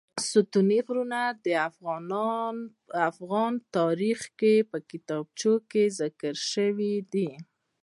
ستوني غرونه د افغان تاریخ په کتابونو کې ذکر شوی دي.